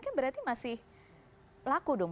kan berarti masih laku dong